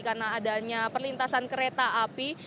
karena adanya perlintasan kereta api